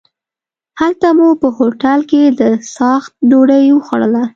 هلته مو په هوټل کې د څاښت ډوډۍ وخوړله.